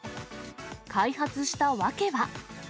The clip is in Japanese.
開発した訳は。